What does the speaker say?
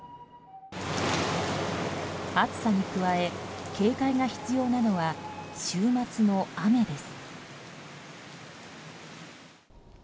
暑さに加え警戒が必要なのは週末の雨です。